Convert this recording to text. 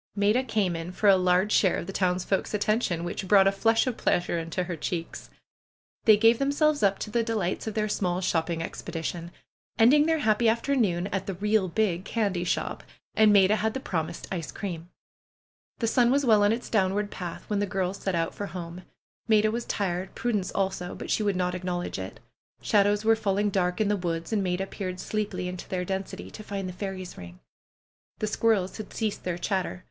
Maida came in for a large share of the townsfolks' attention, which brought a flush of pleasure into her cheeks. They gave themselves up to the delights of their small shopping expedition, ending their happy after noon at the '^real big" candy shop, and Maida had the promised ice cream. The sun was well on its downward path when the girls set out for home. Maida was tired ; Prudence also, but she would not acknowledge it. Shadows were fall ing dark in the woods, and Maida peered sleepily into their density, to find the fairies' ring. The squirrels had ceased their chatter.